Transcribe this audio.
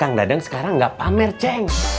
kang dadeng sekarang nggak pamer ceng